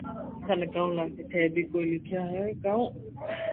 ٿني ڪاو لاگي ٿي بي ڪوئي لکيا ھي ڪاو